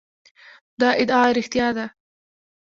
دا ادعا رښتیا ده.